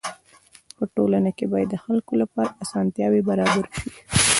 په ټولنه کي باید د خلکو لپاره اسانتياوي برابري سي.